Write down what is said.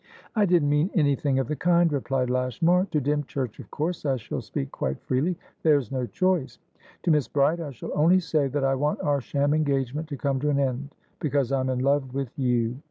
"I didn't mean anything of the kind," replied Lashmar. "To Dymchurch of course I shall speak quite freely: there's no choice. To Miss Bride I shall only say that I want our sham engagement to come to an end, because I am in love with you.